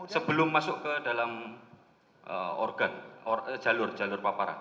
sebelum masuk ke dalam organ jalur jalur paparan